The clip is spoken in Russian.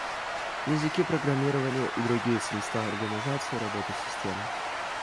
Языки программирования и другие средства организации работы системы